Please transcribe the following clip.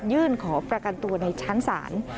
ยื่นขอประกันตัวในชั้นศาล